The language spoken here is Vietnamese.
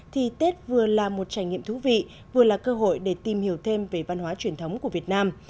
thì tết vừa là một trải nghiệm thú vị vừa là cơ hội để tìm hiểu thêm về văn hóa truyền thống của việt nam